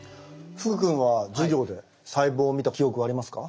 福くんは授業で細胞を見た記憶はありますか？